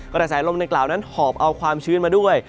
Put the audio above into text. กระแสลมในกล่าวนั้นหอบเอาความชื้นมาด้วย